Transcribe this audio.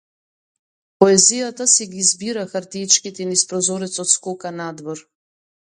Поезијата си ги збира хартиичките и низ прозорецот скока надвор.